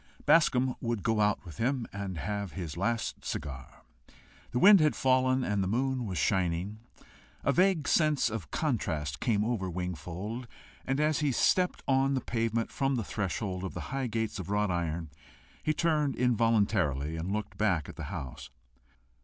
Bascombe would go out with him and have his last cigar. The wind had fallen, and the moon was shining. A vague sense of contrast came over Wingfold, and as he stepped on the pavement from the threshold of the high gates of wrought iron, he turned involuntarily and looked back at the house.